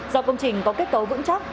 do công trình có kết cấu vững chắc